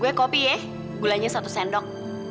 gue kopi ye gulanya satu sendok